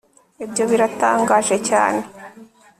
ibyo biratangaje cyane